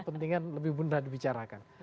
kepentingan lebih mudah dibicarakan